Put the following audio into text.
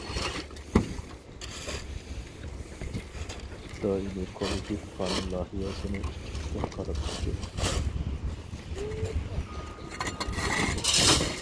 دائىمىي كومىتېت قانۇن لايىھەسىنى ئىككى قېتىم قاراپ چىقتى.